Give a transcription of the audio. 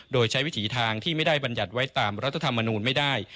โดยใช้วิถีทางที่ไม่ได้บรรยัติไว้ตามรัฐธรรมนูลไม่ได้